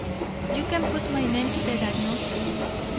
You can put my name to the diagnosis.